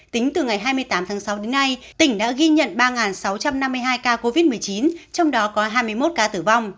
tính từ ngày hai mươi tám tháng sáu đến nay tỉnh đã ghi nhận ba sáu trăm năm mươi hai ca covid một mươi chín trong đó có hai mươi một ca tử vong